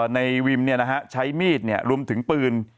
ในวิมเนี่ยนะฮะใช้มีดรวมถึงปืน